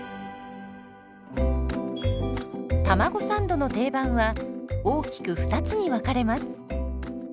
たまごサンドの定番は大きく２つに分かれます。